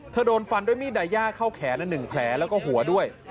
โดนฟันด้วยมีดไดย่าเข้าแขน๑แผลแล้วก็หัวด้วย